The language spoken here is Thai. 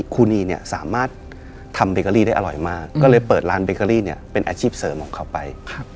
ครูนีเนี่ยสามารถทำเบเกอรี่ได้อร่อยมากก็เลยเปิดร้านเบเกอรี่เนี่ยเป็นอาชีพเสริมของเขาไป